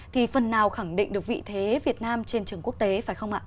thì phần nào khẳng định được vị thế việt nam trên trường quốc tế phải không ạ